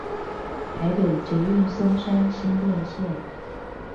台北捷運松山新店線